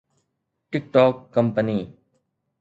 tick talk company